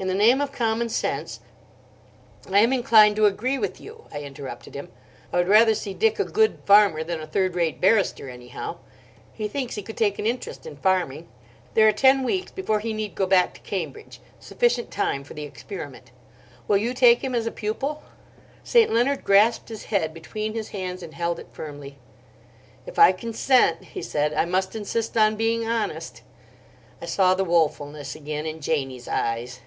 In the name of commonsense—" "I am inclined to agree with you," I interrupted him. "I would rather see Dick a good farmer than a third rate barrister, anyhow. He thinks he could take an interest in farming. There are ten weeks before he need go back to Cambridge, sufficient time for the experiment. Will you take him as a pupil?" St. Leonard grasped his head between his hands and held it firmly. "If I consent," he said, "I must insist on being honest." I saw the woefulness again in Janie's eyes.